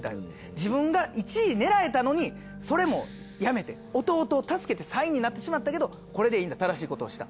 自分が１位狙えたのにそれもやめて弟を助けて３位になってしまったけどこれでいいんだ正しいことをした。